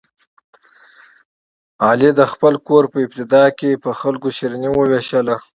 علي د خپل کور په ابتدا کې په خلکو شیریني ووېشله.